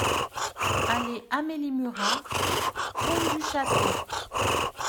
Allée Amélie Murat, Pont-du-Château